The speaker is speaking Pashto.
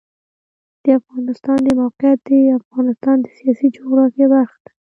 د افغانستان د موقعیت د افغانستان د سیاسي جغرافیه برخه ده.